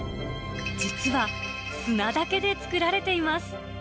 実は、砂だけで作られています。